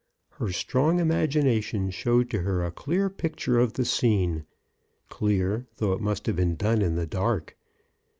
Her strong imagination showed to her a clear picture of the scene — clear, though it must have been done in the dark.